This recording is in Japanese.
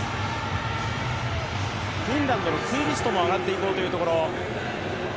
フィンランドのクイビストも上がって行こうというところ。